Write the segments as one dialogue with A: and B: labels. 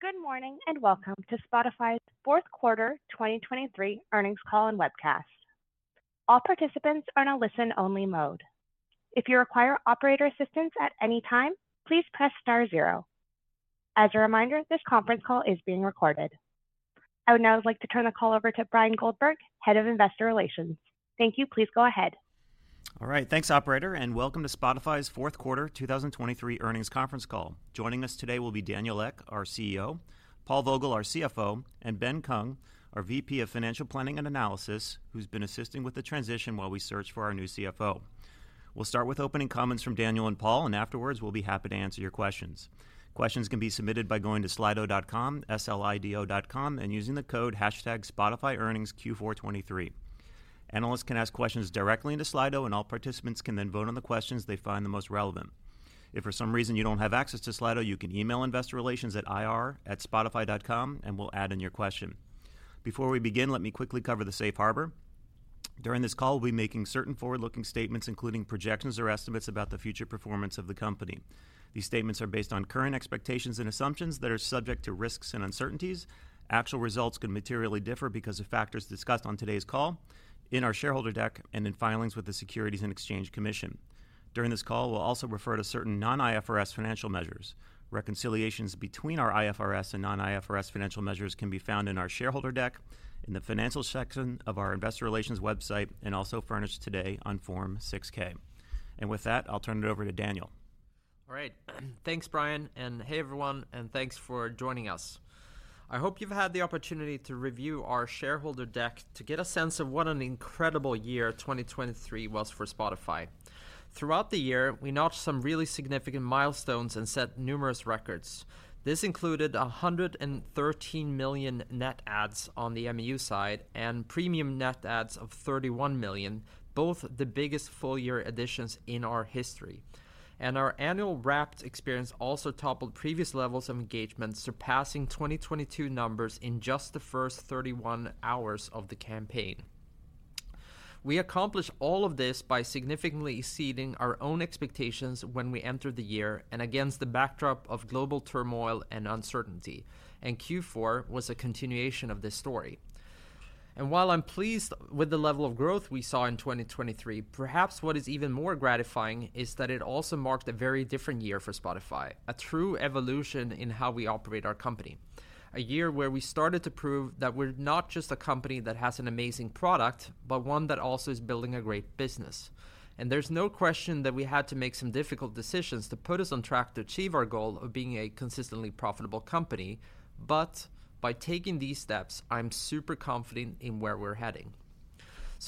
A: Good morning, and welcome to Spotify's fourth quarter 2023 earnings call and webcast. All participants are in a listen-only mode. If you require operator assistance at any time, please press star zero. As a reminder, this conference call is being recorded. I would now like to turn the call over to Bryan Goldberg, Head of Investor Relations. Thank you. Please go ahead.
B: All right. Thanks, operator, and welcome to Spotify's fourth quarter 2023 earnings conference call. Joining us today will be Daniel Ek, our CEO, Paul Vogel, our CFO, and Ben Kung, our VP of Financial Planning and Analysis, who's been assisting with the transition while we search for our new CFO. We'll start with opening comments from Daniel and Paul, and afterwards, we'll be happy to answer your questions. Questions can be submitted by going to Slido.com, S-L-I-D-O dot com, and using the code hashtag Spotify Earnings Q423. Analysts can ask questions directly into Slido, and all participants can then vote on the questions they find the most relevant. If for some reason you don't have access to Slido, you can email Investor Relations at ir@spotify.com, and we'll add in your question. Before we begin, let me quickly cover the safe harbor. During this call, we'll be making certain forward-looking statements, including projections or estimates about the future performance of the company. These statements are based on current expectations and assumptions that are subject to risks and uncertainties. Actual results could materially differ because of factors discussed on today's call, in our shareholder deck, and in filings with the Securities and Exchange Commission. During this call, we'll also refer to certain non-IFRS financial measures. Reconciliations between our IFRS and non-IFRS financial measures can be found in our shareholder deck, in the financial section of our Investor Relations website, and also furnished today on Form 6K. With that, I'll turn it over to Daniel.
C: All right. Thanks, Bryan, and hey, everyone, and thanks for joining us. I hope you've had the opportunity to review our shareholder deck to get a sense of what an incredible year 2023 was for Spotify. Throughout the year, we notched some really significant milestones and set numerous records. This included 113 million net adds on the MAU side and Premium net adds of 31 million, both the biggest full-year additions in our history. And our annual Wrapped experience also toppled previous levels of engagement, surpassing 2022 numbers in just the first 31 hours of the campaign. We accomplished all of this by significantly exceeding our own expectations when we entered the year and against the backdrop of global turmoil and uncertainty, and Q4 was a continuation of this story. While I'm pleased with the level of growth we saw in 2023, perhaps what is even more gratifying is that it also marked a very different year for Spotify, a true evolution in how we operate our company. A year where we started to prove that we're not just a company that has an amazing product, but one that also is building a great business. There's no question that we had to make some difficult decisions to put us on track to achieve our goal of being a consistently profitable company. By taking these steps, I'm super confident in where we're heading.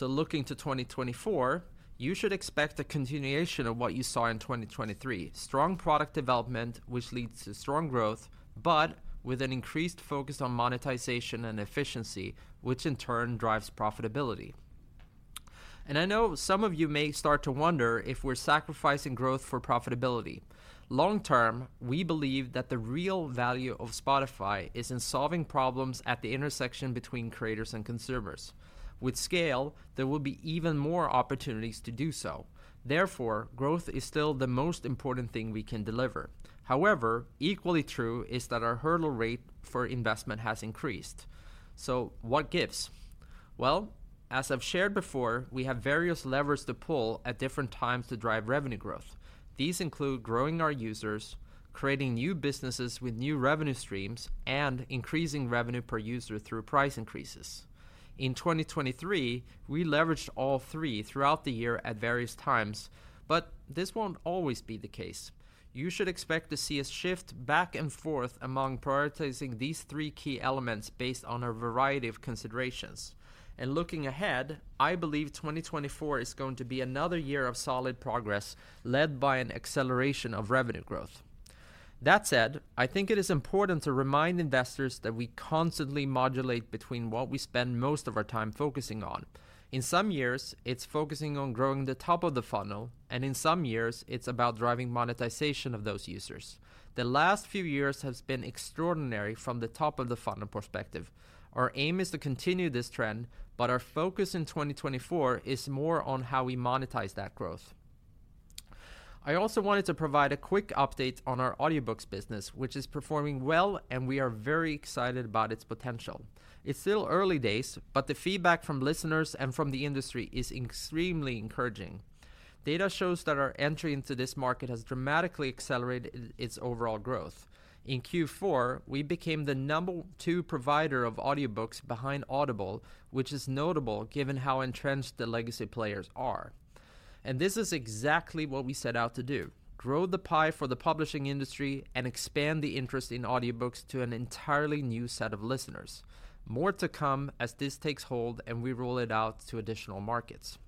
C: Looking to 2024, you should expect a continuation of what you saw in 2023. Strong product development, which leads to strong growth, but with an increased focus on monetization and efficiency, which in turn drives profitability. I know some of you may start to wonder if we're sacrificing growth for profitability. Long-term, we believe that the real value of Spotify is in solving problems at the intersection between creators and consumers. With scale, there will be even more opportunities to do so. Therefore, growth is still the most important thing we can deliver. However, equally true is that our hurdle rate for investment has increased. So what gives? Well, as I've shared before, we have various levers to pull at different times to drive revenue growth. These include growing our users, creating new businesses with new revenue streams, and increasing revenue per user through price increases. In 2023, we leveraged all three throughout the year at various times, but this won't always be the case. You should expect to see us shift back and forth among prioritizing these three key elements based on a variety of considerations. Looking ahead, I believe 2024 is going to be another year of solid progress, led by an acceleration of revenue growth. That said, I think it is important to remind investors that we constantly modulate between what we spend most of our time focusing on. In some years, it's focusing on growing the top of the funnel, and in some years, it's about driving monetization of those users. The last few years has been extraordinary from the top-of-the-funnel perspective. Our aim is to continue this trend, but our focus in 2024 is more on how we monetize that growth. I also wanted to provide a quick update on our audiobooks business, which is performing well, and we are very excited about its potential. It's still early days, but the feedback from listeners and from the industry is extremely encouraging. Data shows that our entry into this market has dramatically accelerated its overall growth. In Q4, we became the number two provider of audiobooks behind Audible, which is notable given how entrenched the legacy players are. And this is exactly what we set out to do, grow the pie for the publishing industry and expand the interest in audiobooks to an entirely new set of listeners. More to come as this takes hold, and we roll it out to additional markets.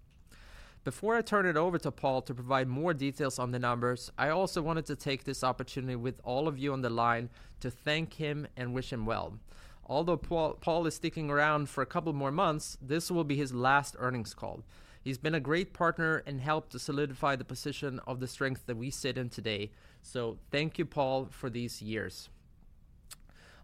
C: Before I turn it over to Paul to provide more details on the numbers, I also wanted to take this opportunity with all of you on the line to thank him and wish him well. Although Paul is sticking around for a couple more months, this will be his last earnings call. He's been a great partner and helped to solidify the position of the strength that we sit in today. So thank you, Paul, for these years...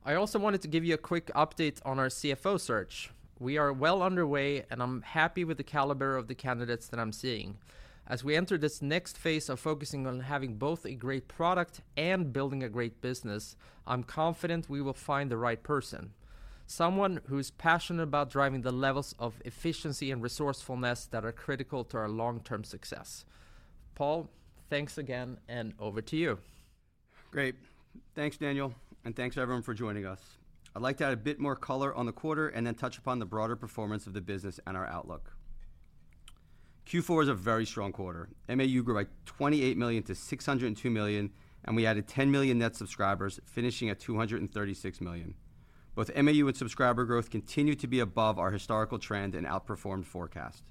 C: I also wanted to give you a quick update on our CFO search. We are well underway, and I'm happy with the caliber of the candidates that I'm seeing. As we enter this next phase of focusing on having both a great product and building a great business, I'm confident we will find the right person, someone who's passionate about driving the levels of efficiency and resourcefulness that are critical to our long-term success. Paul, thanks again, and over to you.
D: Great. Thanks, Daniel, and thanks, everyone, for joining us. I'd like to add a bit more color on the quarter and then touch upon the broader performance of the business and our outlook. Q4 is a very strong quarter. MAU grew by 28 million-602 million, and we added 10 million net subscribers, finishing at 236 million. Both MAU and subscriber growth continued to be above our historical trend and outperformed forecast.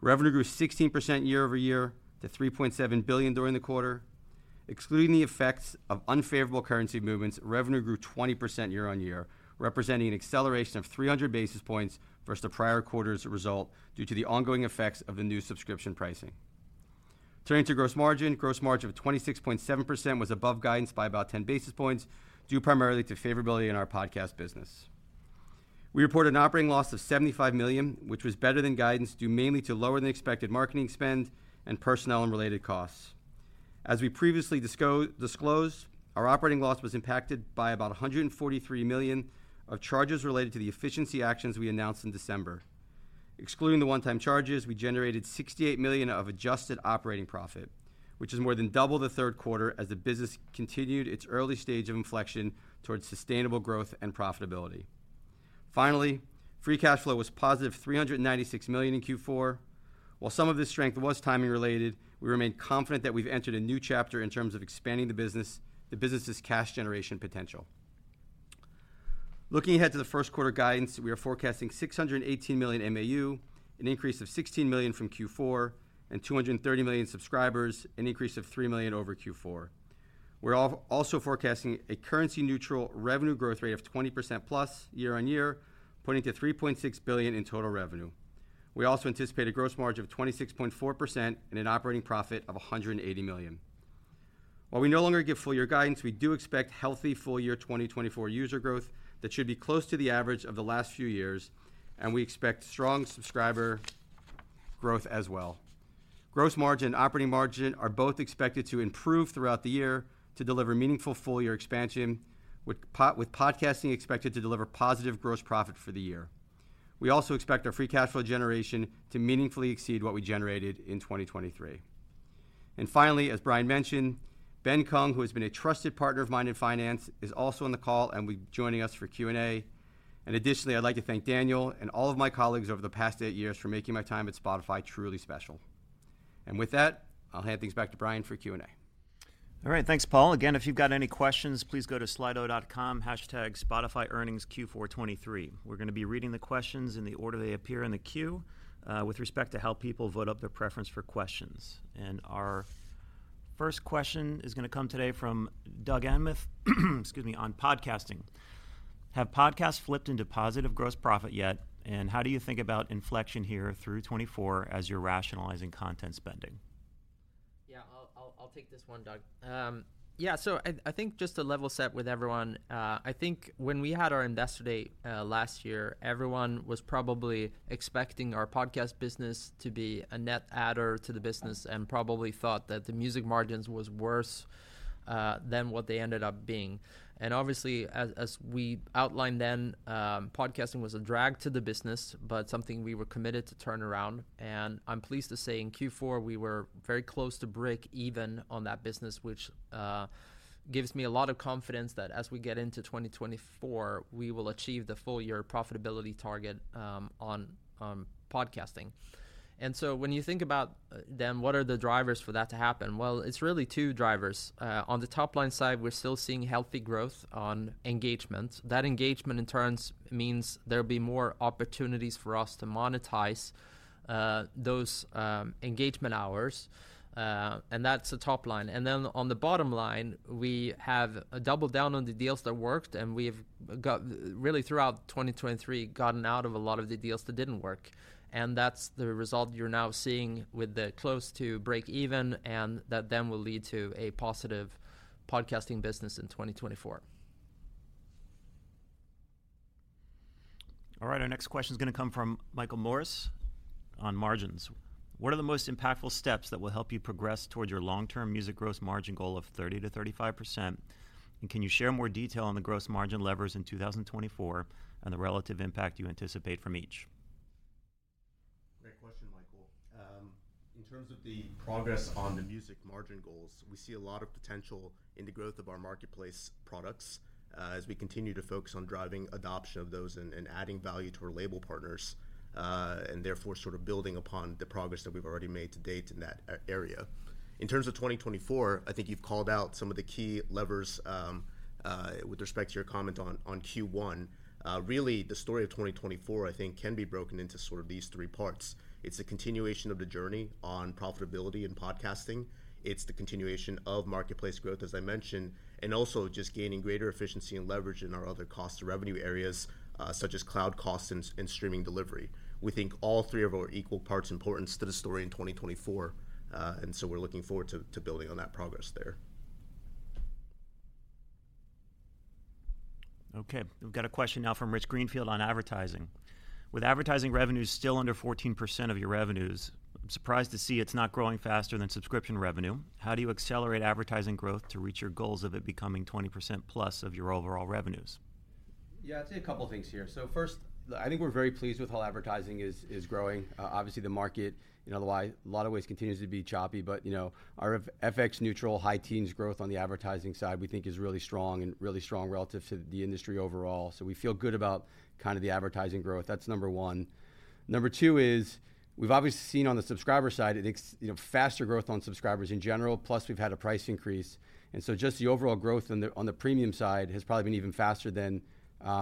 D: Revenue grew 16% year over year to 3.7 billion during the quarter. Excluding the effects of unfavorable currency movements, revenue grew 20% year on year, representing an acceleration of 300 basis points versus the prior quarter's result due to the ongoing effects of the new subscription pricing. Turning to gross margin, gross margin of 26.7% was above guidance by about 10 basis points, due primarily to favorability in our podcast business. We reported an operating loss of 75 million, which was better than guidance, due mainly to lower-than-expected marketing spend and personnel and related costs. As we previously disclosed, our operating loss was impacted by about 143 million of charges related to the efficiency actions we announced in December. Excluding the one-time charges, we generated 68 million of adjusted operating profit, which is more than double the third quarter as the business continued its early stage of inflection towards sustainable growth and profitability. Finally, free cash flow was positive 396 million in Q4. While some of this strength was timing-related, we remain confident that we've entered a new chapter in terms of expanding the business, the business's cash generation potential. Looking ahead to the first quarter guidance, we are forecasting 618 million MAU, an increase of 16 million from Q4, and 230 million subscribers, an increase of 3 million over Q4. We're also forecasting a currency-neutral revenue growth rate of 20%+ year-on-year, pointing to 3.6 billion in total revenue. We also anticipate a gross margin of 26.4% and an operating profit of 180 million. While we no longer give full-year 2024 guidance, we do expect healthy full-year 2024 user growth that should be close to the average of the last few years, and we expect strong subscriber growth as well. Gross margin and operating margin are both expected to improve throughout the year to deliver meaningful full-year expansion, with podcasting expected to deliver positive gross profit for the year. We also expect our free cash flow generation to meaningfully exceed what we generated in 2023. Finally, as Bryan mentioned, Ben Kung, who has been a trusted partner of mine in finance, is also on the call and will be joining us for Q&A. Additionally, I'd like to thank Daniel and all of my colleagues over the past eight years for making my time at Spotify truly special. With that, I'll hand things back to Bryan for Q&A.
B: All right. Thanks, Paul. Again, if you've got any questions, please go to Slido.com, hashtag SpotifyEarningsQ423. We're going to be reading the questions in the order they appear in the queue, with respect to how people vote up their preference for questions. Our first question is going to come today from Doug Anmuth, excuse me, on podcasting: Have podcasts flipped into positive gross profit yet, and how do you think about inflection here through 2024 as you're rationalizing content spending?
C: Yeah, I'll take this one, Doug. Yeah, so I think just to level set with everyone, I think when we had our investor day last year, everyone was probably expecting our podcast business to be a net adder to the business and probably thought that the music margins was worse than what they ended up being. And obviously, as we outlined then, podcasting was a drag to the business, but something we were committed to turn around, and I'm pleased to say in Q4, we were very close to break even on that business, which gives me a lot of confidence that as we get into 2024, we will achieve the full year profitability target on podcasting. And so when you think about then, what are the drivers for that to happen? Well, it's really two drivers. On the top-line side, we're still seeing healthy growth on engagement. That engagement, in turn, means there'll be more opportunities for us to monetize those engagement hours, and that's the top line. Then on the bottom line, we have doubled down on the deals that worked, and we've got, really throughout 2023, gotten out of a lot of the deals that didn't work. That's the result you're now seeing with the close to break even, and that then will lead to a positive podcasting business in 2024.
B: All right, our next question is going to come from Michael Morris on margins: What are the most impactful steps that will help you progress towards your long-term music gross margin goal of 30%-35%? And can you share more detail on the gross margin levers in 2024 and the relative impact you anticipate from each?
E: Great question, Michael. In terms of the progress on the music margin goals, we see a lot of potential in the growth of our marketplace products, as we continue to focus on driving adoption of those and adding value to our label partners, and therefore, sort of building upon the progress that we've already made to date in that area. In terms of 2024, I think you've called out some of the key levers, with respect to your comment on Q1. Really, the story of 2024, I think, can be broken into sort of these three parts. It's a continuation of the journey on profitability and podcasting. It's the continuation of Marketplace growth, as I mentioned, and also just gaining greater efficiency and leverage in our other cost to revenue areas, such as cloud costs and streaming delivery. We think all three of them are equal parts importance to the story in 2024, and so we're looking forward to building on that progress there....
B: Okay, we've got a question now from Rich Greenfield on advertising: "With advertising revenues still under 14% of your revenues, I'm surprised to see it's not growing faster than subscription revenue. How do you accelerate advertising growth to reach your goals of it becoming 20%+ of your overall revenues?
D: Yeah, I'd say a couple things here. So first, I think we're very pleased with how advertising is growing. Obviously, the market, in a lot of ways, continues to be choppy, but, you know, our FX-neutral, high teens growth on the advertising side, we think is really strong and really strong relative to the industry overall. So we feel good about kind of the advertising growth. That's number one. Number two is, we've obviously seen on the subscriber side, I think, you know, faster growth on subscribers in general, plus we've had a price increase. And so just the overall growth on the, on the premium side has probably been even faster than,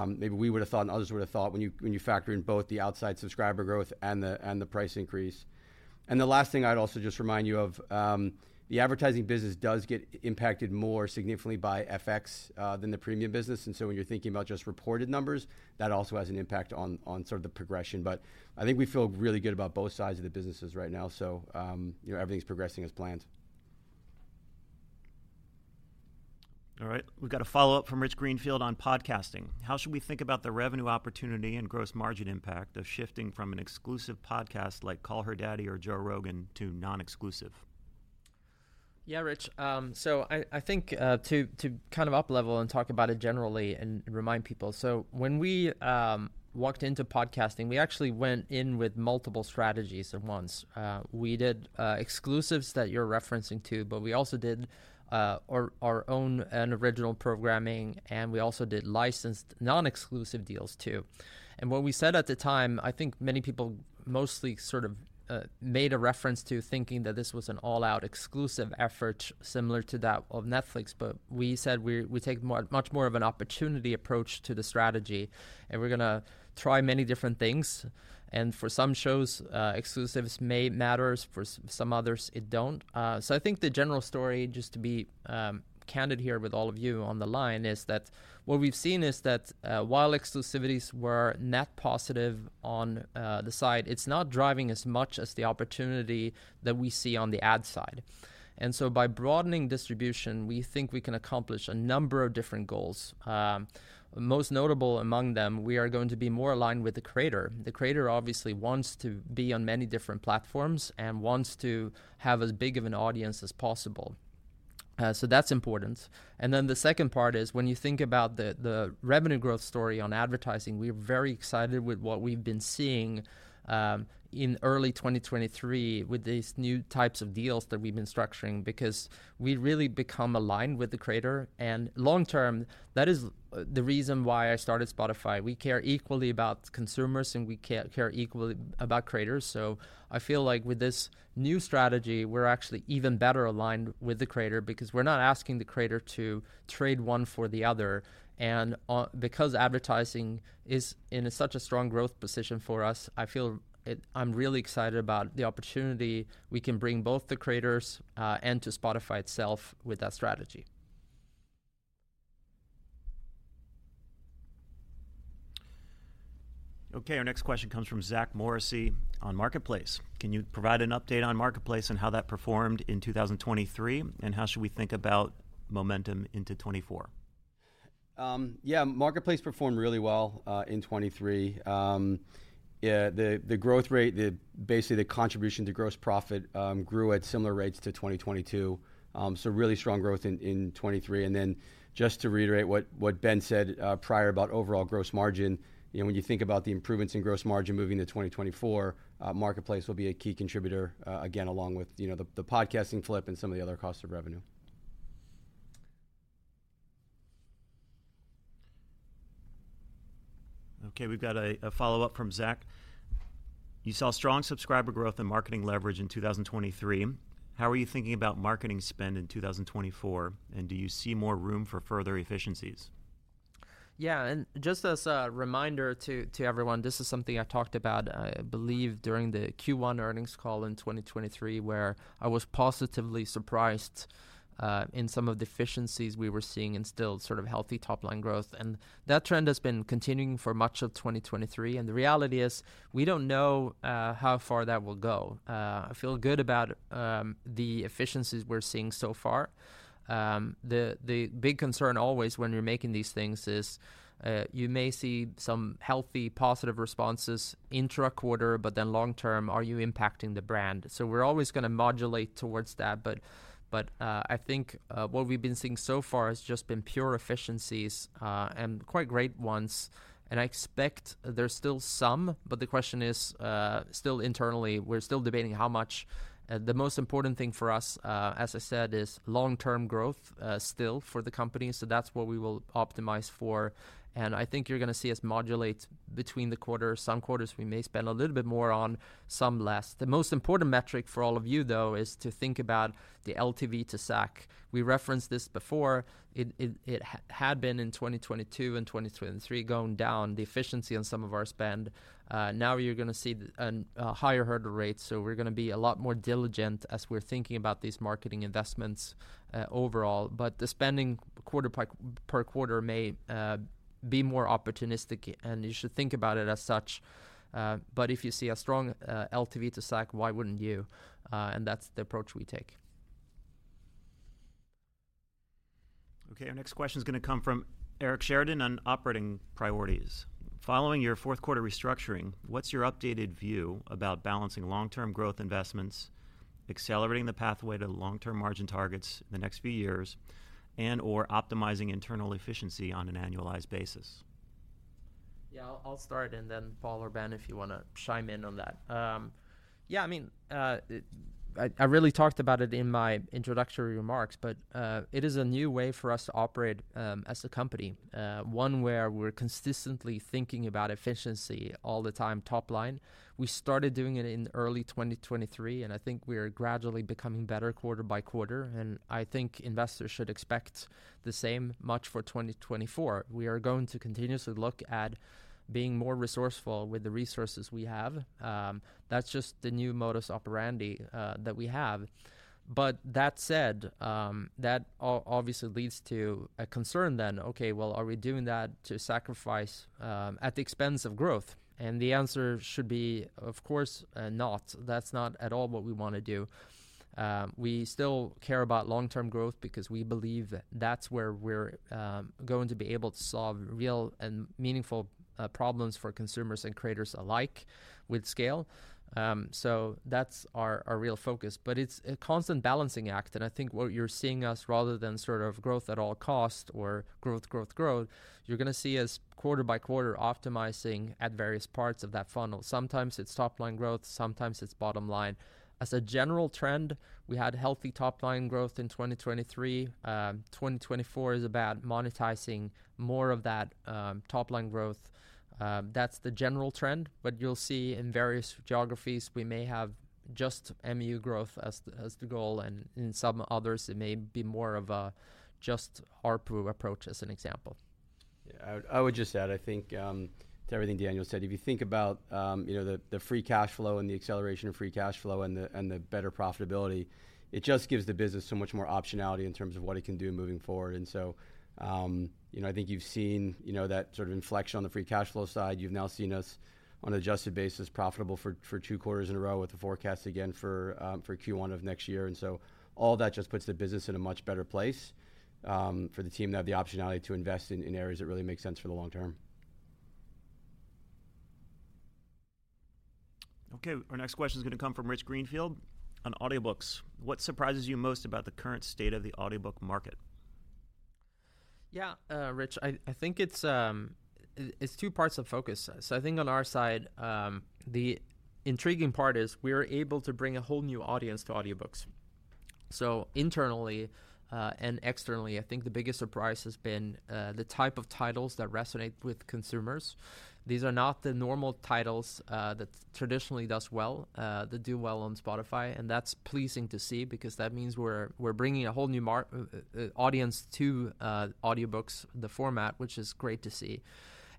D: maybe we would have thought and others would have thought when you, when you factor in both the outside subscriber growth and the, and the price increase. The last thing I'd also just remind you of, the advertising business does get impacted more significantly by FX than the premium business. So when you're thinking about just reported numbers, that also has an impact on sort of the progression. But I think we feel really good about both sides of the businesses right now, so, you know, everything's progressing as planned.
B: All right. We've got a follow-up from Rich Greenfield on podcasting: "How should we think about the revenue opportunity and gross margin impact of shifting from an exclusive podcast like Call Her Daddy or Joe Rogan to non-exclusive?
C: Yeah, Rich. So I think to kind of up level and talk about it generally and remind people, so when we walked into podcasting, we actually went in with multiple strategies at once. We did exclusives that you're referencing to, but we also did our own and original programming, and we also did licensed non-exclusive deals, too. And what we said at the time, I think many people mostly sort of made a reference to thinking that this was an all-out exclusive effort, similar to that of Netflix, but we said we take much more of an opportunity approach to the strategy, and we're going to try many different things. And for some shows, exclusives may matters, for some others, it don't. So I think the general story, just to be candid here with all of you on the line, is that what we've seen is that while exclusivities were net positive on the side, it's not driving as much as the opportunity that we see on the ad side. And so by broadening distribution, we think we can accomplish a number of different goals. Most notable among them, we are going to be more aligned with the creator. The creator obviously wants to be on many different platforms and wants to have as big of an audience as possible. So that's important. The second part is, when you think about the revenue growth story on advertising, we're very excited with what we've been seeing in early 2023 with these new types of deals that we've been structuring, because we've really become aligned with the creator. And long term, that is the reason why I started Spotify. We care equally about consumers, and we care equally about creators. So I feel like with this new strategy, we're actually even better aligned with the creator, because we're not asking the creator to trade one for the other. And because advertising is in such a strong growth position for us, I'm really excited about the opportunity we can bring both the creators and to Spotify itself with that strategy.
B: Okay, our next question comes from Zach Morrissey on Marketplace: "Can you provide an update on Marketplace and how that performed in 2023? And how should we think about momentum into 2024?
D: Yeah, Marketplace performed really well in 2023. Yeah, the, the growth rate, the, basically, the contribution to gross profit grew at similar rates to 2022. So really strong growth in, in 2023. And then just to reiterate what, what Ben said prior about overall gross margin, you know, when you think about the improvements in gross margin moving to 2024, Marketplace will be a key contributor again, along with, you know, the, the podcasting flip and some of the other costs of revenue.
B: Okay, we've got a follow-up from Zach: "You saw strong subscriber growth and marketing leverage in 2023. How are you thinking about marketing spend in 2024, and do you see more room for further efficiencies?
C: Yeah, and just as a reminder to everyone, this is something I've talked about, I believe, during the Q1 earnings call in 2023, where I was positively surprised in some of the efficiencies we were seeing and still sort of healthy top-line growth. And that trend has been continuing for much of 2023, and the reality is, we don't know how far that will go. I feel good about the efficiencies we're seeing so far. The big concern always when you're making these things is, you may see some healthy, positive responses intraquarter, but then long term, are you impacting the brand? So we're always going to modulate towards that, but I think what we've been seeing so far has just been pure efficiencies and quite great ones. I expect there's still some, but the question is, still internally, we're still debating how much. The most important thing for us, as I said, is long-term growth, still for the company. So that's what we will optimize for, and I think you're going to see us modulate between the quarters. Some quarters, we may spend a little bit more on, some less. The most important metric for all of you, though, is to think about the LTV to SAC. We referenced this before. It had been in 2022 and 2023, going down, the efficiency on some of our spend. Now you're going to see a higher hurdle rate, so we're going to be a lot more diligent as we're thinking about these marketing investments, overall. But the spending quarter per quarter may be more opportunistic, and you should think about it as such. But if you see a strong LTV to SAC, why wouldn't you? And that's the approach we take.
B: Okay, our next question is going to come from Eric Sheridan on operating priorities. Following your fourth quarter restructuring, what's your updated view about balancing long-term growth investments, accelerating the pathway to long-term margin targets in the next few years, and/or optimizing internal efficiency on an annualized basis?
C: Yeah, I'll start and then Paul or Ben, if you want to chime in on that. Yeah, I mean, it. I really talked about it in my introductory remarks, but it is a new way for us to operate as a company. One where we're consistently thinking about efficiency all the time, top line. We started doing it in early 2023, and I think we are gradually becoming better quarter by quarter, and I think investors should expect the same much for 2024. We are going to continuously look at being more resourceful with the resources we have. That's just the new modus operandi that we have. But that said, that obviously leads to a concern then, okay, well, are we doing that to sacrifice at the expense of growth? The answer should be, of course, not. That's not at all what we want to do. We still care about long-term growth because we believe that's where we're going to be able to solve real and meaningful problems for consumers and creators alike, with scale. So that's our, our real focus. But it's a constant balancing act, and I think what you're seeing us, rather than sort of growth at all costs or growth, growth, growth, you're going to see us quarter by quarter, optimizing at various parts of that funnel. Sometimes it's top-line growth, sometimes it's bottom line. As a general trend, we had healthy top-line growth in 2023. 2024 is about monetizing more of that top-line growth. That's the general trend, but you'll see in various geographies, we may have just MAU growth as the goal, and in some others, it may be more of a just ARPU approach, as an example.
D: Yeah, I would, I would just add, I think, to everything Daniel said, if you think about, you know, the, the free cash flow and the acceleration of free cash flow and the, and the better profitability, it just gives the business so much more optionality in terms of what it can do moving forward. And so, you know, I think you've seen, you know, that sort of inflection on the free cash flow side. You've now seen us, on an adjusted basis, profitable for, for two quarters in a row with the forecast again for, for Q1 of next year. And so all that just puts the business in a much better place, for the team to have the optionality to invest in, in areas that really make sense for the long term.
B: Okay, our next question is going to come from Rich Greenfield on audiobooks. What surprises you most about the current state of the audiobook market?
C: Yeah, Rich, I think it's two parts of focus. So I think on our side, the intriguing part is we are able to bring a whole new audience to audiobooks. So internally, and externally, I think the biggest surprise has been the type of titles that resonate with consumers. These are not the normal titles that traditionally does well, that do well on Spotify, and that's pleasing to see because that means we're bringing a whole new audience to audiobooks, the format, which is great to see.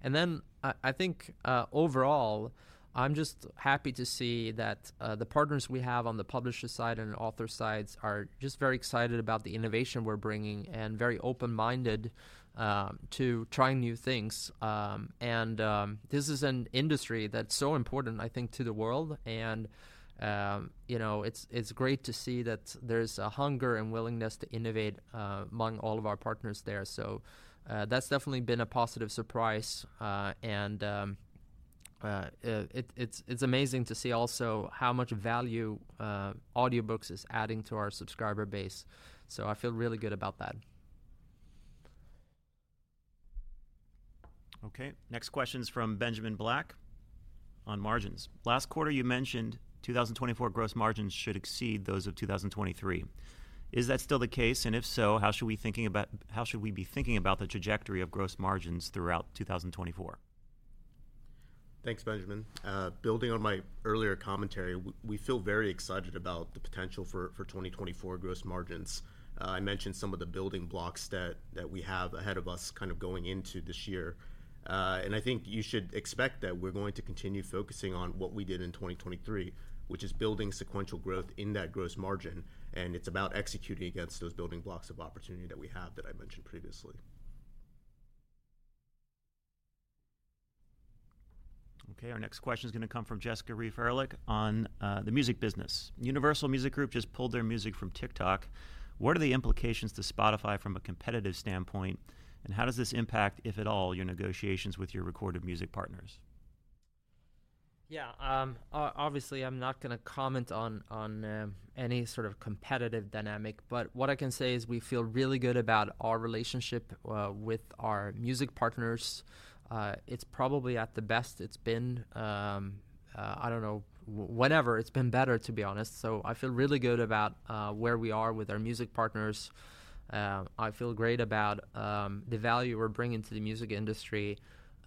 C: And then I think overall, I'm just happy to see that the partners we have on the publisher side and author sides are just very excited about the innovation we're bringing and very open-minded to trying new things. This is an industry that's so important, I think, to the world, and you know, it's great to see that there's a hunger and willingness to innovate among all of our partners there. So that's definitely been a positive surprise, and it's amazing to see also how much value Audiobooks is adding to our subscriber base. So I feel really good about that.
B: Okay, next question is from Benjamin Black on margins. Last quarter, you mentioned 2024 gross margins should exceed those of 2023. Is that still the case? And if so, how should we be thinking about the trajectory of gross margins throughout 2024?
E: Thanks, Benjamin. Building on my earlier commentary, we feel very excited about the potential for 2024 gross margins. I mentioned some of the building blocks that we have ahead of us kind of going into this year. And I think you should expect that we're going to continue focusing on what we did in 2023, which is building sequential growth in that gross margin, and it's about executing against those building blocks of opportunity that we have that I mentioned previously.
B: Okay, our next question is going to come from Jessica Reif Ehrlich on the music business. Universal Music Group just pulled their music from TikTok. What are the implications to Spotify from a competitive standpoint, and how does this impact, if at all, your negotiations with your recorded music partners?
C: Yeah, obviously, I'm not going to comment on any sort of competitive dynamic, but what I can say is we feel really good about our relationship with our music partners. It's probably at the best it's been. I don't know, whenever. It's been better, to be honest. So I feel really good about where we are with our music partners. I feel great about the value we're bringing to the music industry,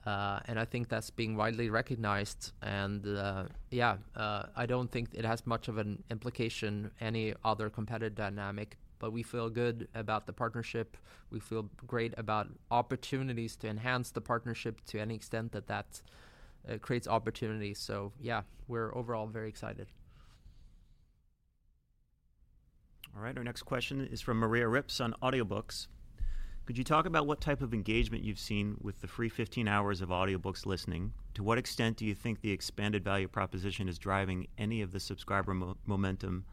C: and I think that's being widely recognized. Yeah, I don't think it has much of an implication, any other competitive dynamic, but we feel good about the partnership. We feel great about opportunities to enhance the partnership to any extent that that creates opportunities. So yeah, we're overall very excited.
B: All right, our next question is from Maria Ripps on Audiobooks. Could you talk about what type of engagement you've seen with the free 15 hours of Audiobooks listening? To what extent do you think the expanded value proposition is driving any of the subscriber momentum,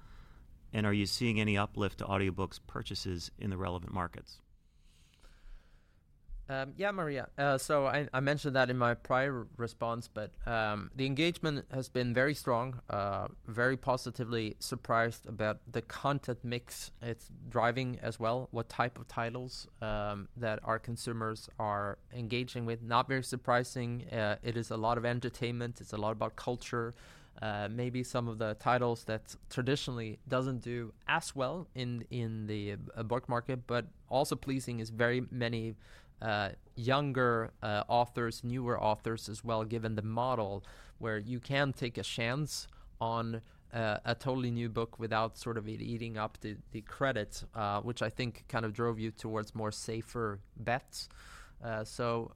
B: and are you seeing any uplift to Audiobooks purchases in the relevant markets?
C: Yeah, Maria. So I mentioned that in my prior response, but the engagement has been very strong, very positively surprised about the content mix it's driving as well, what type of titles that our consumers are engaging with. Not very surprising, it is a lot of entertainment, it's a lot about culture, maybe some of the titles that traditionally doesn't do as well in the book market, but also pleasing is very many younger authors, newer authors as well, given the model where you can take a chance on a totally new book without sort of it eating up the credits, which I think kind of drove you towards more safer bets. So,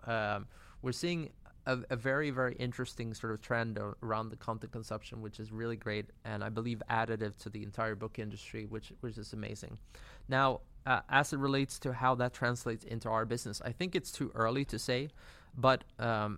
C: we're seeing a very, very interesting sort of trend around the content consumption, which is really great, and I believe additive to the entire book industry, which is amazing. Now, as it relates to how that translates into our business, I think it's too early to say, but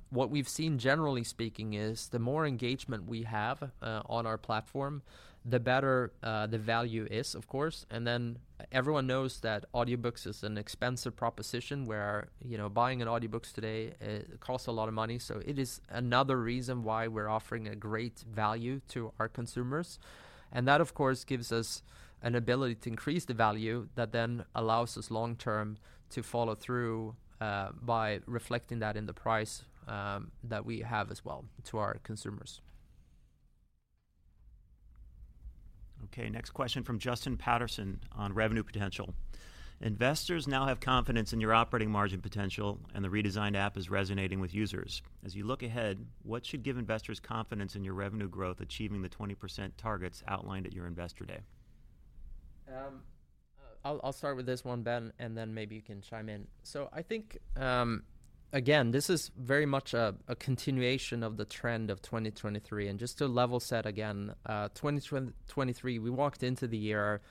C: what we've seen, generally speaking, is the more engagement we have on our platform, the better the value is, of course. And then everyone knows that audiobooks is an expensive proposition, where, you know, buying an audiobooks today costs a lot of money. So it is another reason why we're offering a great value to our consumers, and that, of course, gives us an ability to increase the value that then allows us long term to follow through by reflecting that in the price that we have as well to our consumers.
B: Okay, next question from Justin Patterson on revenue potential: investors now have confidence in your operating margin potential, and the redesigned app is resonating with users. As you look ahead, what should give investors confidence in your revenue growth, achieving the 20% targets outlined at your Investor Day?
C: I'll start with this one, Ben, and then maybe you can chime in. So I think, again, this is very much a continuation of the trend of 2023. And just to level set again, 2023, we walked into the year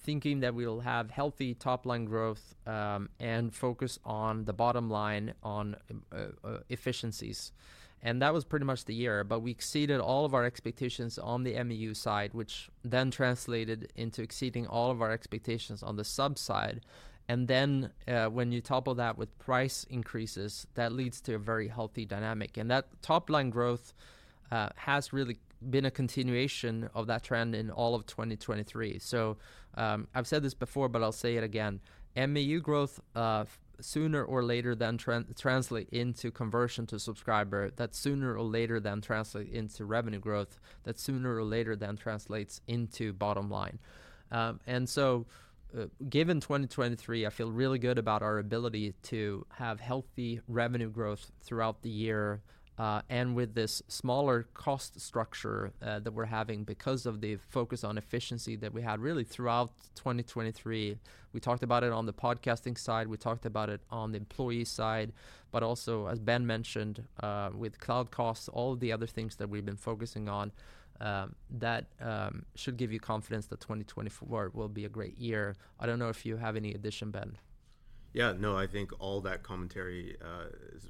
C: thinking that we'll have healthy top line growth and focus on the bottom line on efficiencies, and that was pretty much the year. But we exceeded all of our expectations on the MAU side, which then translated into exceeding all of our expectations on the sub side. And then, when you top all that with price increases, that leads to a very healthy dynamic. And that top line growth has really been a continuation of that trend in all of 2023. So, I've said this before, but I'll say it again: MAU growth, sooner or later, then translate into conversion to subscriber, that sooner or later, then translate into revenue growth, that sooner or later, then translates into bottom line. And so, given 2023, I feel really good about our ability to have healthy revenue growth throughout the year, and with this smaller cost structure, that we're having because of the focus on efficiency that we had really throughout 2023. We talked about it on the podcasting side, we talked about it on the employee side, but also, as Ben mentioned, with cloud costs, all the other things that we've been focusing on, that should give you confidence that 2024 will be a great year. I don't know if you have any addition, Ben.
E: Yeah, no, I think all that commentary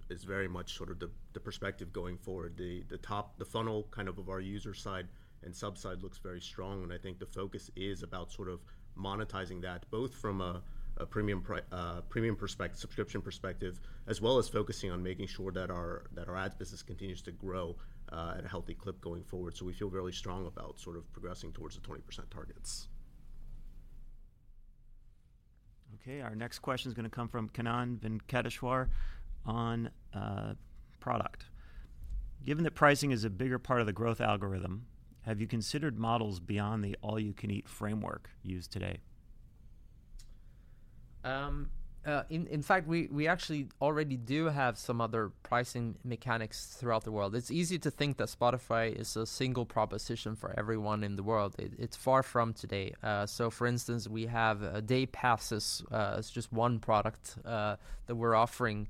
E: is very much sort of the perspective going forward. The top of the funnel kind of our user side and sub side looks very strong, and I think the focus is about sort of monetizing that both from a premium perspective, subscription perspective, as well as focusing on making sure that our ads business continues to grow at a healthy clip going forward. So we feel really strong about sort of progressing towards the 20% targets.
B: Okay, our next question is going to come from Kannan Venkateshwar on product: Given that pricing is a bigger part of the growth algorithm, have you considered models beyond the all-you-can-eat framework used today?
C: In fact, we actually already do have some other pricing mechanics throughout the world. It's easy to think that Spotify is a single proposition for everyone in the world. It's far from today. So for instance, we have day passes as just one product that we're offering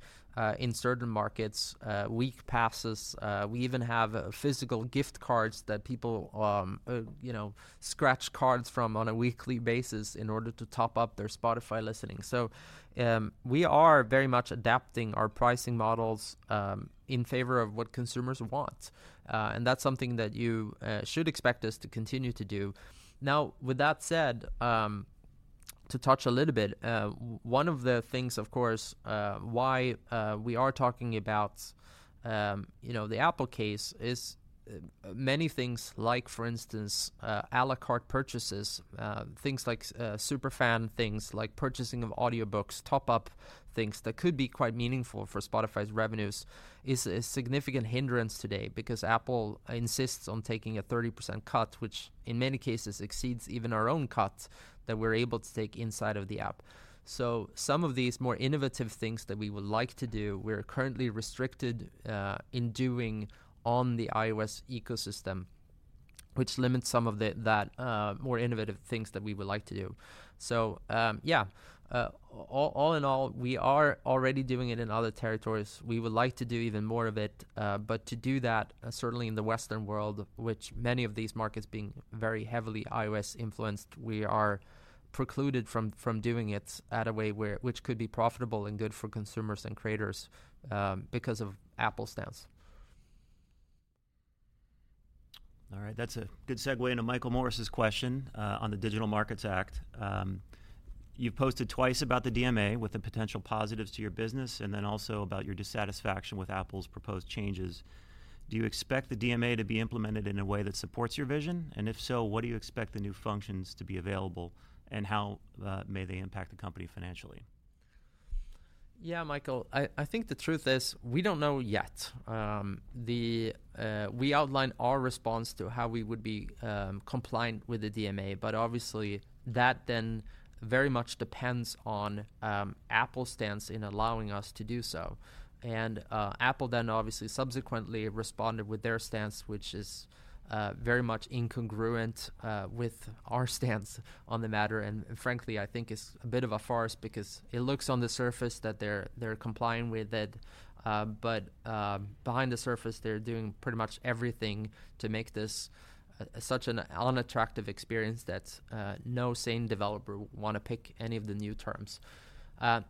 C: in certain markets, week passes. We even have physical gift cards that people you know scratch cards from on a weekly basis in order to top up their Spotify listening. So we are very much adapting our pricing models in favor of what consumers want, and that's something that you should expect us to continue to do. Now, with that said, to touch a little bit, one of the things, of course, why we are talking about, you know, the Apple case is, many things like, for instance, à la carte purchases, things like, super fan, things like purchasing of audiobooks, top up things that could be quite meaningful for Spotify's revenues, is a significant hindrance today because Apple insists on taking a 30% cut, which, in many cases, exceeds even our own cuts that we're able to take inside of the app. So some of these more innovative things that we would like to do, we're currently restricted, in doing on the iOS ecosystem, which limits some of the more innovative things that we would like to do. So, yeah, all in all, we are already doing it in other territories. We would like to do even more of it, but to do that, certainly in the Western world, which many of these markets being very heavily iOS influenced, we are precluded from doing it which could be profitable and good for consumers and creators, because of Apple's stance. ...
B: All right, that's a good segue into Michael Morris's question on the Digital Markets Act. You've posted twice about the DMA with the potential positives to your business, and then also about your dissatisfaction with Apple's proposed changes. Do you expect the DMA to be implemented in a way that supports your vision? And if so, what do you expect the new functions to be available, and how may they impact the company financially?
C: Yeah, Michael, I think the truth is, we don't know yet. We outlined our response to how we would be compliant with the DMA, but obviously, that then very much depends on Apple's stance in allowing us to do so. Apple then, obviously, subsequently responded with their stance, which is very much incongruent with our stance on the matter, and frankly, I think it's a bit of a farce because it looks on the surface that they're complying with it, but behind the surface, they're doing pretty much everything to make this such an unattractive experience that no sane developer would wanna pick any of the new terms.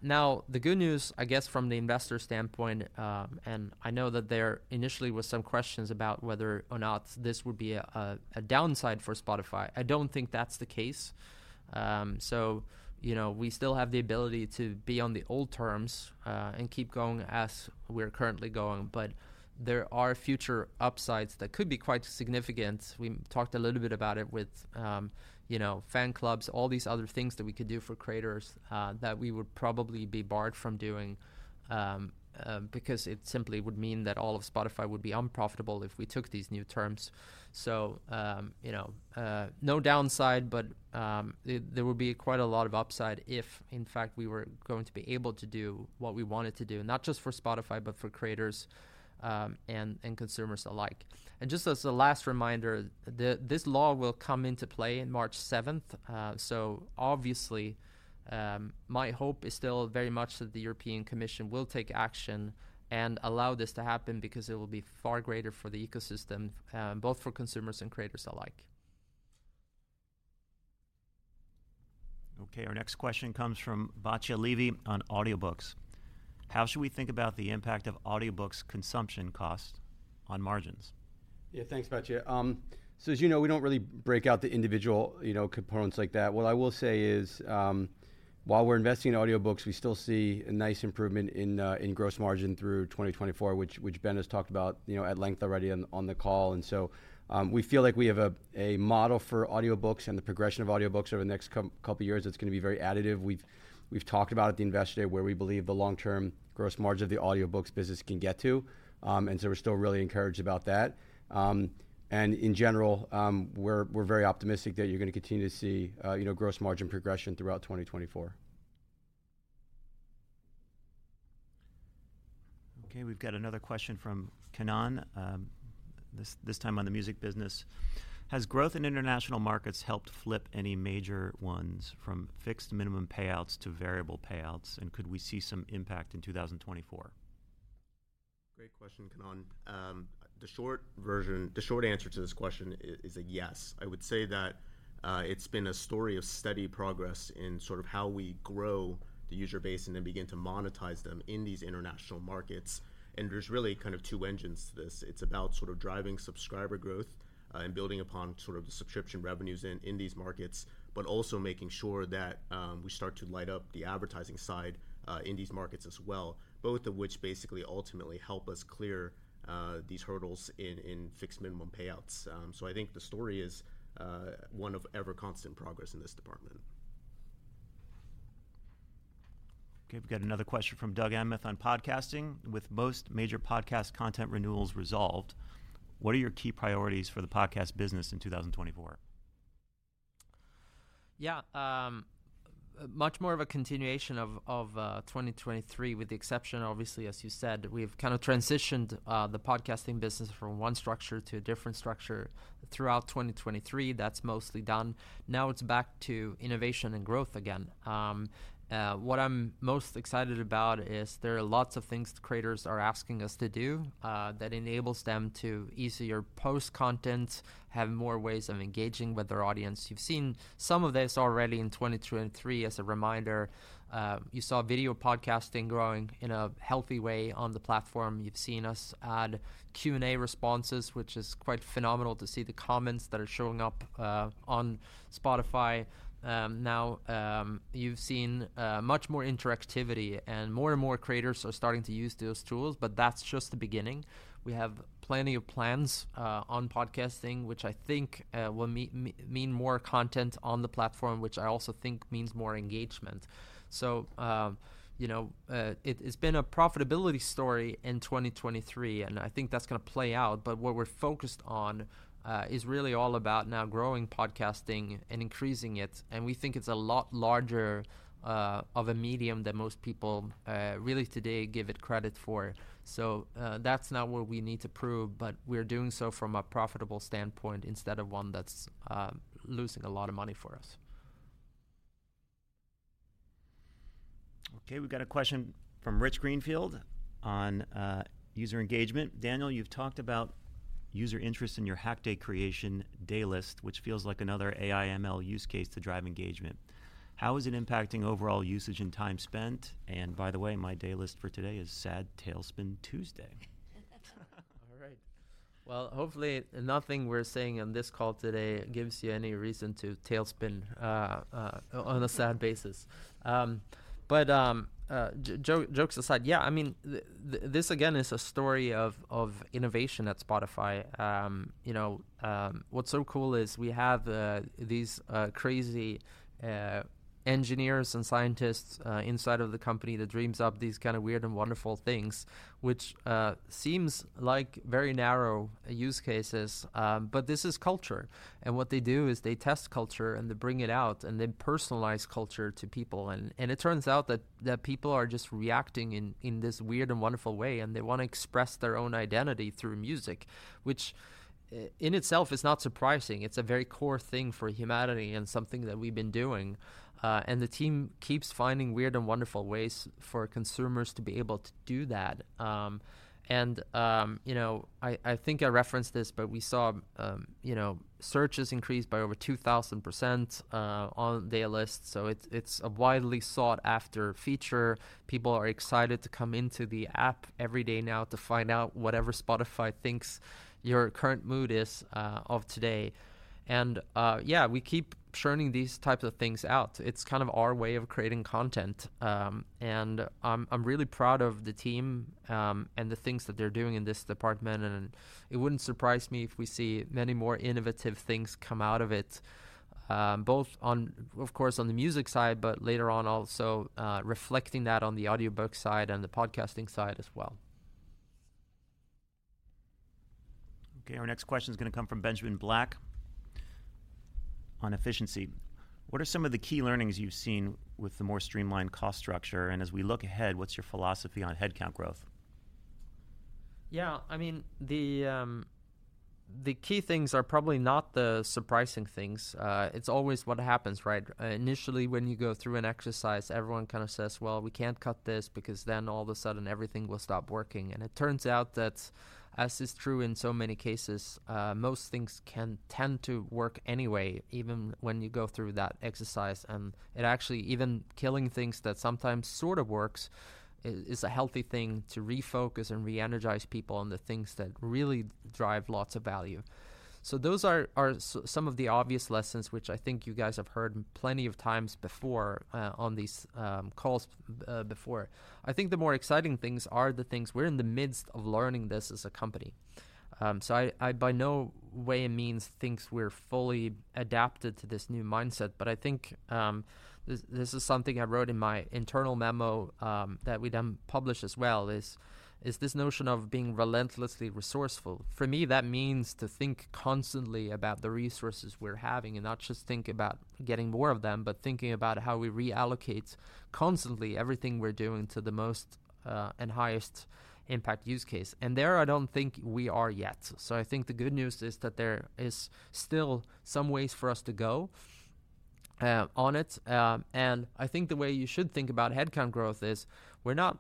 C: Now, the good news, I guess, from the investor standpoint, and I know that there initially was some questions about whether or not this would be a downside for Spotify. I don't think that's the case. So, you know, we still have the ability to be on the old terms, and keep going as we're currently going, but there are future upsides that could be quite significant. We talked a little bit about it with, you know, fan clubs, all these other things that we could do for creators, that we would probably be barred from doing, because it simply would mean that all of Spotify would be unprofitable if we took these new terms. So, you know, no downside, but, there would be quite a lot of upside if, in fact, we were going to be able to do what we wanted to do, not just for Spotify, but for creators, and consumers alike. And just as a last reminder, this law will come into play in March seventh, so obviously, my hope is still very much that the European Commission will take action and allow this to happen because it will be far greater for the ecosystem, both for consumers and creators alike.
B: Okay, our next question comes from Batya Levi on audiobooks: How should we think about the impact of audiobooks' consumption cost on margins?
D: Yeah, thanks, Batya. So as you know, we don't really break out the individual, you know, components like that. What I will say is, while we're investing in Audiobooks, we still see a nice improvement in gross margin through 2024, which Ben has talked about, you know, at length already on the call. And so, we feel like we have a model for Audiobooks and the progression of Audiobooks over the next couple of years that's going to be very additive. We've talked about at the Investor Day, where we believe the long-term gross margin of the Audiobooks business can get to, and so we're still really encouraged about that. And in general, we're very optimistic that you're going to continue to see, you know, gross margin progression throughout 2024.
B: Okay, we've got another question from Kannan, this, this time on the music business: Has growth in international markets helped flip any major ones from fixed minimum payouts to variable payouts, and could we see some impact in 2024?
E: Great question, Kannan. The short version, the short answer to this question is a yes. I would say that it's been a story of steady progress in sort of how we grow the user base and then begin to monetize them in these international markets. And there's really kind of two engines to this. It's about sort of driving subscriber growth and building upon sort of the subscription revenues in these markets, but also making sure that we start to light up the advertising side in these markets as well, both of which basically ultimately help us clear these hurdles in fixed minimum payouts. So I think the story is one of ever-constant progress in this department.
B: Okay, we've got another question from Doug Anmuth on podcasting: With most major podcast content renewals resolved, what are your key priorities for the podcast business in 2024?
C: Yeah, much more of a continuation of 2023, with the exception, obviously, as you said, we've kind of transitioned the podcasting business from one structure to a different structure throughout 2023. That's mostly done. Now it's back to innovation and growth again. What I'm most excited about is there are lots of things the creators are asking us to do that enables them to easier post content, have more ways of engaging with their audience. You've seen some of this already in 2023. As a reminder, you saw video podcasting growing in a healthy way on the platform. You've seen us add Q&A responses, which is quite phenomenal to see the comments that are showing up on Spotify. Now, you've seen much more interactivity, and more and more creators are starting to use those tools, but that's just the beginning. We have plenty of plans on podcasting, which I think will mean more content on the platform, which I also think means more engagement. So, you know, it, it's been a profitability story in 2023, and I think that's going to play out, but what we're focused on is really all about now growing podcasting and increasing it, and we think it's a lot larger of a medium than most people really today give it credit for. So, that's not what we need to prove, but we're doing so from a profitable standpoint instead of one that's losing a lot of money for us.
B: Okay, we've got a question from Rich Greenfield on, user engagement: Daniel, you've talked about- ...
E: user interest in your Hack Day creation, Daylist, which feels like another AI/ML use case to drive engagement. How is it impacting overall usage and time spent? And by the way, my Daylist for today is Sad Tailspin Tuesday.
C: All right. Well, hopefully nothing we're saying on this call today gives you any reason to tailspin on a sad basis. But joke, jokes aside, yeah, I mean, this, again, is a story of innovation at Spotify. You know, what's so cool is we have these crazy engineers and scientists inside of the company that dreams up these kind of weird and wonderful things, which seems like very narrow use cases, but this is culture. And what they do is they test culture, and they bring it out, and then personalize culture to people. And it turns out that people are just reacting in this weird and wonderful way, and they wanna express their own identity through music, which in itself is not surprising. It's a very core thing for humanity and something that we've been doing. And the team keeps finding weird and wonderful ways for consumers to be able to do that. And, you know, I, I think I referenced this, but we saw, you know, searches increase by over 2,000%, on Daylist, so it's, it's a widely sought-after feature. People are excited to come into the app every day now to find out whatever Spotify thinks your current mood is, of today. And, yeah, we keep churning these types of things out. It's kind of our way of creating content. And I'm, I'm really proud of the team, and the things that they're doing in this department. It wouldn't surprise me if we see many more innovative things come out of it, both on, of course, on the music side, but later on, also, reflecting that on the audiobook side and the podcasting side as well.
B: Okay, our next question is going to come from Benjamin Black on efficiency: "What are some of the key learnings you've seen with the more streamlined cost structure, and as we look ahead, what's your philosophy on headcount growth?
C: Yeah, I mean, the key things are probably not the surprising things. It's always what happens, right? Initially, when you go through an exercise, everyone kind of says, "Well, we can't cut this, because then all of a sudden, everything will stop working." And it turns out that, as is true in so many cases, most things can tend to work anyway, even when you go through that exercise. And it actually even killing things that sometimes sort of works is a healthy thing to refocus and re-energize people on the things that really drive lots of value. So those are some of the obvious lessons, which I think you guys have heard plenty of times before, on these calls, before. I think the more exciting things are the things we're in the midst of learning this as a company. So I by no way and means think we're fully adapted to this new mindset, but I think this is something I wrote in my internal memo that we then published as well, is this notion of being relentlessly resourceful. For me, that means to think constantly about the resources we're having and not just think about getting more of them, but thinking about how we reallocate constantly everything we're doing to the most and highest impact use case. And there, I don't think we are yet. So I think the good news is that there is still some ways for us to go on it. And I think the way you should think about headcount growth is, we're not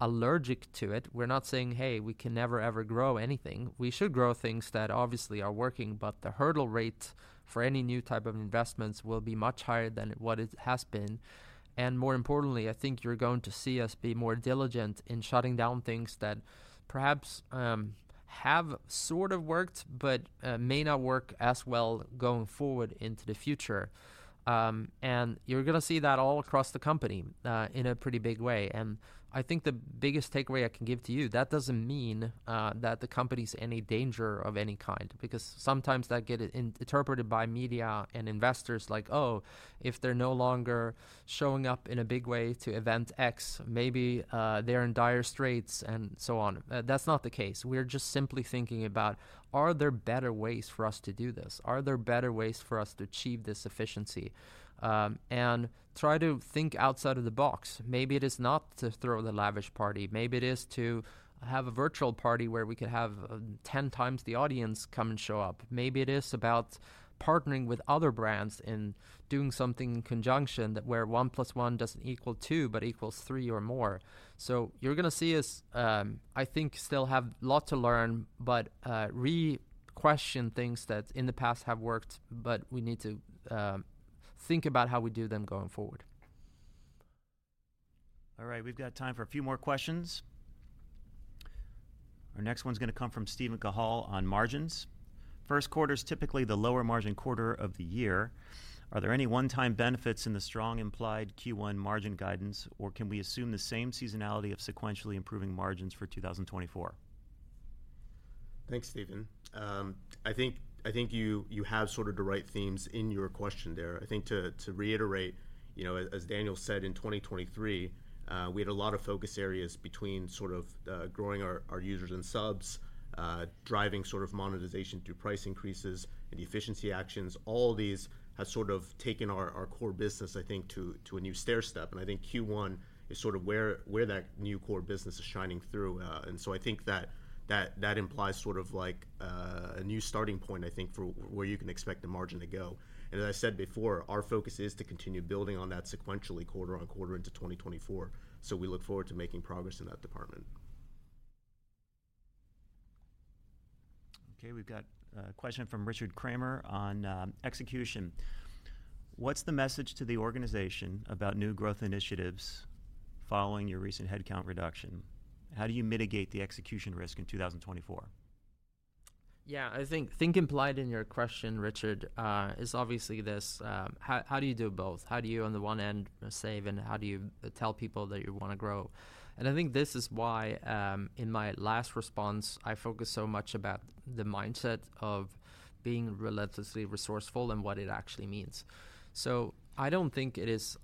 C: allergic to it. We're not saying: Hey, we can never, ever grow anything. We should grow things that obviously are working, but the hurdle rate for any new type of investments will be much higher than what it has been. And more importantly, I think you're going to see us be more diligent in shutting down things that perhaps have sort of worked, but may not work as well going forward into the future. And you're going to see that all across the company in a pretty big way. I think the biggest takeaway I can give to you, that doesn't mean that the company's in any danger of any kind, because sometimes that gets interpreted by media and investors like, "Oh, if they're no longer showing up in a big way to event X, maybe, they're in dire straits," and so on. That's not the case. We're just simply thinking about: Are there better ways for us to do this? Are there better ways for us to achieve this efficiency? And try to think outside of the box. Maybe it is not to throw the lavish party. Maybe it is to have a virtual party where we could have ten times the audience come and show up. Maybe it is about partnering with other brands and doing something in conjunction that where one plus one doesn't equal two, but equals three or more. So you're going to see us, I think, still have a lot to learn, but, re-question things that in the past have worked, but we need to, think about how we do them going forward.
B: All right, we've got time for a few more questions. Our next one is going to come from Steven Cahall on margins. "First quarter is typically the lower margin quarter of the year. Are there any one-time benefits in the strong implied Q1 margin guidance, or can we assume the same seasonality of sequentially improving margins for 2024?
E: Thanks, Steven. I think, I think you, you have sort of the right themes in your question there. I think to, to reiterate, you know, as, as Daniel said, in 2023, we had a lot of focus areas between sort of, growing our, our users and subs, driving sort of monetization through price increases and efficiency actions. All of these have sort of taken our, our core business, I think, to, to a new stairstep, and I think Q1 is sort of where, where that new core business is shining through. And so I think that, that, that implies sort of like, a new starting point, I think, for where you can expect the margin to go. And as I said before, our focus is to continue building on that sequentially quarter on quarter into 2024. We look forward to making progress in that department....
B: Okay, we've got a question from Richard Kramer on execution. What's the message to the organization about new growth initiatives following your recent headcount reduction? How do you mitigate the execution risk in 2024?
C: Yeah, I think implied in your question, Richard, is obviously this: how do you do both? How do you, on the one end, save, and how do you tell people that you want to grow? And I think this is why, in my last response, I focused so much about the mindset of being relentlessly resourceful and what it actually means. So I don't think it is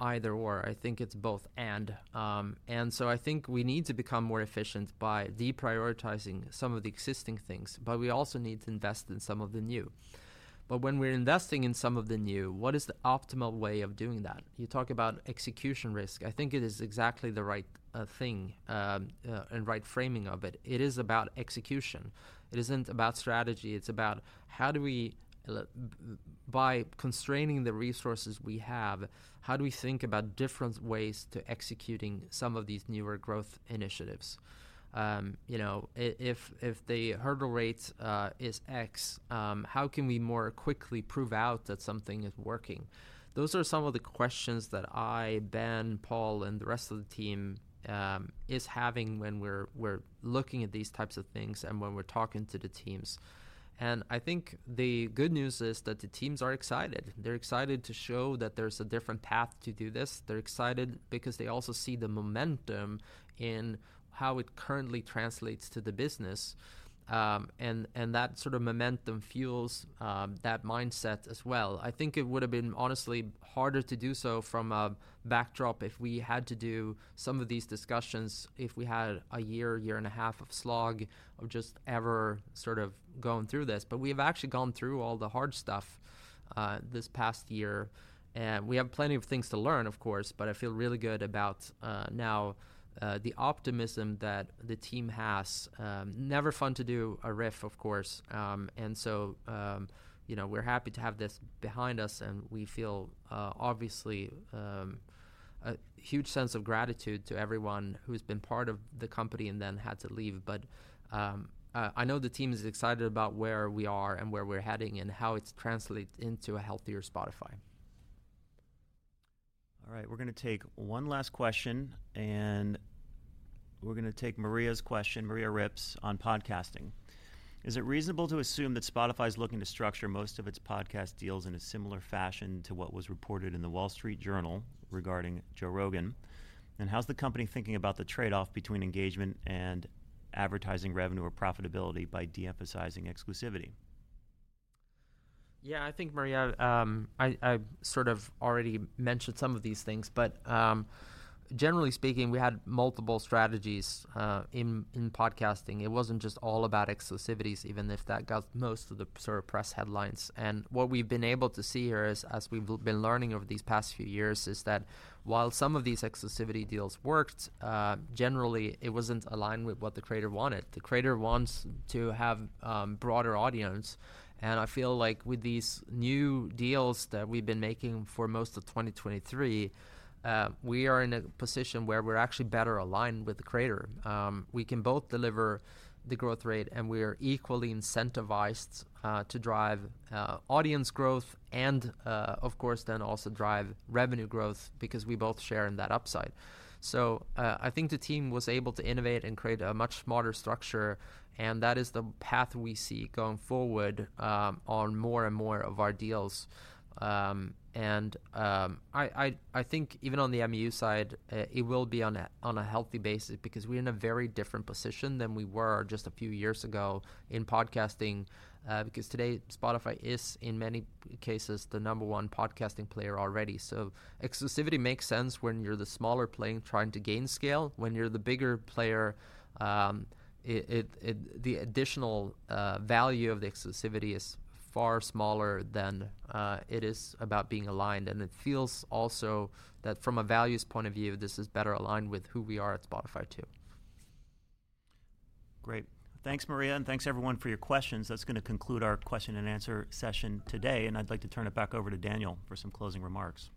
C: either/or. I think it's both/and. And so I think we need to become more efficient by deprioritizing some of the existing things, but we also need to invest in some of the new. But when we're investing in some of the new, what is the optimal way of doing that? You talk about execution risk. I think it is exactly the right thing and right framing of it. It is about execution. It isn't about strategy. It's about: how do we, by constraining the resources we have, how do we think about different ways to executing some of these newer growth initiatives? You know, if, if the hurdle rates is X, how can we more quickly prove out that something is working? Those are some of the questions that I, Ben, Paul, and the rest of the team is having when we're looking at these types of things and when we're talking to the teams. And I think the good news is that the teams are excited. They're excited to show that there's a different path to do this. They're excited because they also see the momentum in how it currently translates to the business. And that sort of momentum fuels that mindset as well. I think it would have been honestly harder to do so from a backdrop if we had to do some of these discussions, if we had a year, year and a half of slog of just ever sort of going through this. But we've actually gone through all the hard stuff, this past year, and we have plenty of things to learn, of course, but I feel really good about, now, the optimism that the team has. Never fun to do a RIF, of course. And so, you know, we're happy to have this behind us, and we feel, obviously, a huge sense of gratitude to everyone who's been part of the company and then had to leave. I know the team is excited about where we are and where we're heading, and how it translates into a healthier Spotify.
B: All right, we're going to take one last question, and we're going to take Maria's question, Maria Ripps, on podcasting: Is it reasonable to assume that Spotify is looking to structure most of its podcast deals in a similar fashion to what was reported in The Wall Street Journal regarding Joe Rogan? And how's the company thinking about the trade-off between engagement and advertising revenue or profitability by de-emphasizing exclusivity?
C: Yeah, I think, Maria, I sort of already mentioned some of these things, but generally speaking, we had multiple strategies in podcasting. It wasn't just all about exclusivities, even if that got most of the sort of press headlines. And what we've been able to see here is, as we've been learning over these past few years, is that while some of these exclusivity deals worked, generally, it wasn't aligned with what the creator wanted. The creator wants to have broader audience, and I feel like with these new deals that we've been making for most of 2023, we are in a position where we're actually better aligned with the creator. We can both deliver the growth rate, and we are equally incentivized to drive audience growth and, of course, then also drive revenue growth because we both share in that upside. So, I think the team was able to innovate and create a much smarter structure, and that is the path we see going forward on more and more of our deals. And I think even on the MAU side, it will be on a healthy basis because we're in a very different position than we were just a few years ago in podcasting because today, Spotify is, in many cases, the number one podcasting player already. So exclusivity makes sense when you're the smaller player trying to gain scale. When you're the bigger player, it... The additional value of the exclusivity is far smaller than it is about being aligned. It feels also that from a values point of view, this is better aligned with who we are at Spotify, too.
B: Great. Thanks, Maria, and thanks, everyone, for your questions. That's going to conclude our question and answer session today, and I'd like to turn it back over to Daniel for some closing remarks.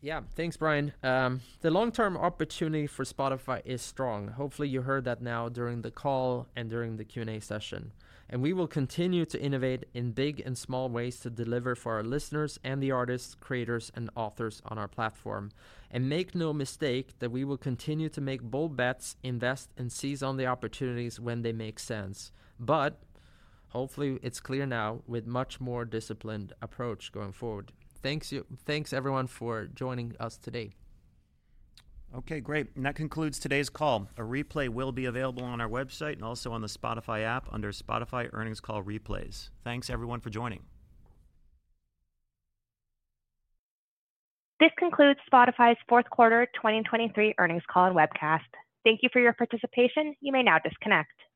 C: Yeah, thanks, Bryan. The long-term opportunity for Spotify is strong. Hopefully, you heard that now during the call and during the Q&A session. We will continue to innovate in big and small ways to deliver for our listeners and the artists, creators, and authors on our platform. Make no mistake that we will continue to make bold bets, invest, and seize on the opportunities when they make sense. But hopefully, it's clear now with much more disciplined approach going forward. Thanks, you- thanks, everyone, for joining us today.
B: Okay, great. That concludes today's call. A replay will be available on our website and also on the Spotify app under Spotify Earnings Call Replays. Thanks, everyone, for joining.
A: This concludes Spotify's fourth quarter 2023 earnings call and webcast. Thank you for your participation. You may now disconnect.